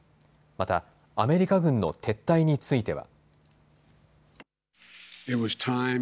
また、アメリカ軍の撤退については。